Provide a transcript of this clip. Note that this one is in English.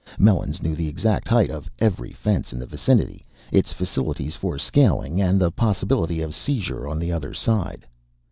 Melons knew the exact height of every fence in the vicinity, its facilities for scaling, and the possibility of seizure on the other side.